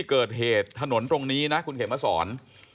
เกิดเหตุถนนตรงนี้นะคุณเขียนมาสอน